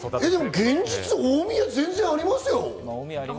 現実、大宮ありますよ。